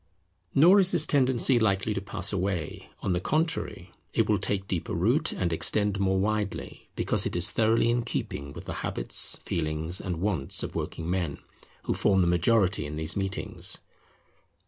Nor is this tendency likely to pass away; on the contrary, it will take deeper root and extend more widely, because it is thoroughly in keeping with the habits, feelings, and wants of working men, who form the majority in these meetings.